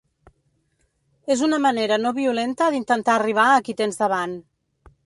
És una manera no violenta d’intentar arribar a qui tens davant.